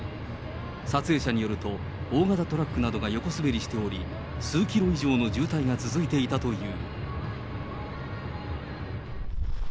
撮影者によると、大型トラックなどが横滑りしており、数キロ以上の渋滞が続いていたという。